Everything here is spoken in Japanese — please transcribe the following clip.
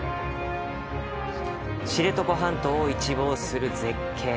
知床半島を一望する絶景。